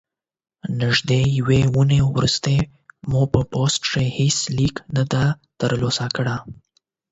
نږدې یوه اونۍ وروسته ما په پوسټ کې هیڅ لیک نه دی ترلاسه کړی.